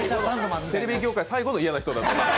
テレビ業界最後の嫌な人。